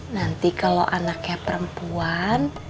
nanti kalo anaknya perempuan